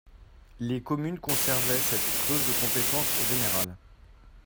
Les communes conservaient cette clause de compétence générale.